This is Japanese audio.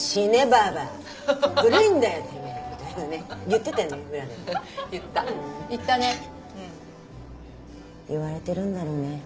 言われてるんだろうね。